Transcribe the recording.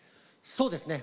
そうですね。